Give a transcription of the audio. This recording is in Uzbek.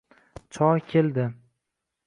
Choy keldi